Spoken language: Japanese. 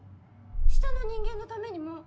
下の人間のためにも。